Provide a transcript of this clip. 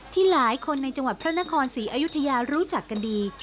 ที่หลายคนในจังหวัดพระนครศรีอยุธยารู้จักกันดี